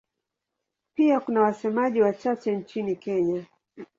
Pia kuna wasemaji wachache nchini Kenya.